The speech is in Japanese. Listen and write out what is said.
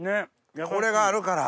これがあるから。